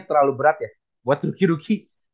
terlalu berat ya buat rookie rookie